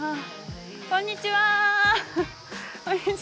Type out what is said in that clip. こんにちは。